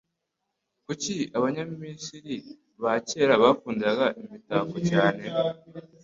Kuki Abanyamisiri ba kera bakundaga imitako cyane?